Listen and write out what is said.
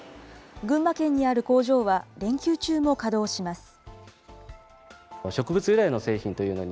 群馬県にある工場は連休中も稼働します。